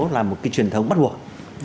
là một cái truyền thống bắt buộc